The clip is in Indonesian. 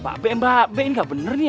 mbak be mbak be ini gak bener nih